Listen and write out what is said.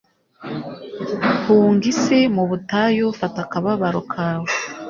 hunga isi, mu butayu fata akababaro kawe